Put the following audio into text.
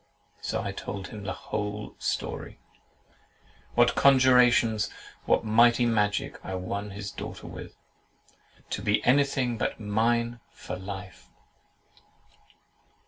So I told him the whole story, "what conjurations, and what mighty magic I won his daughter with," to be anything but MINE FOR LIFE.